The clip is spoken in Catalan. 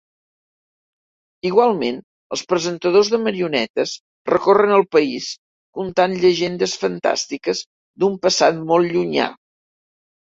Igualment, els presentadors de marionetes recorren el país contant llegendes fantàstiques d'un passat molt llunyà.